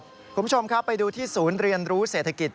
คุณผู้ชมครับไปดูที่ศูนย์เรียนรู้เศรษฐกิจ